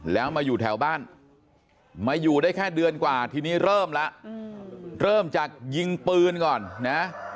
แล้วมาอยู่แถวบ้านมาอยู่ได้แค่เดือนกว่าทีนี้เริ่มแล้วเริ่มจากยิงปืนก่อนนะ